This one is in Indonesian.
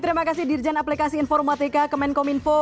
terima kasih dirjen aplikasi informatika kemenkominfo